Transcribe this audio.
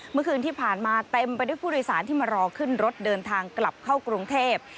เมื่อคืนที่ผ่านมาเต็มไปด้วยผู้โดยสารที่มารอขึ้นรถเดินทางกลับเข้ากรุงเทพ